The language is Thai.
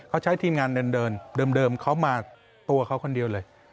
เขาใช้ทีมงานเดินเดิมเขามาตัวเขาคนเดียวเลย